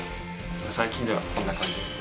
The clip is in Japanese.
最近ではこんな感じですね。